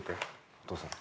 お父さん。